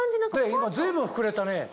今随分膨れたね。